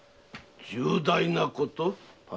重大なこと？